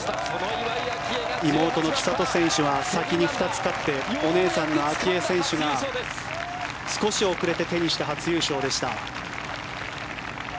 妹の千怜選手は先に２つ勝ってお姉さんの明愛選手が少し遅れて手にした初優勝でした。